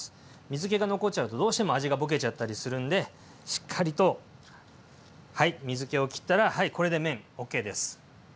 水けが残っちゃうとどうしても味がボケちゃったりするんでしっかりとはい水けをきったらこれで麺ＯＫです。